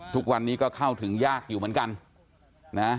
ทุกวันนี้ก็เข้าถึงยากอยู่เหมือนกันนะ